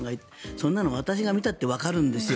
そんなの私が見たってわかるんですよ。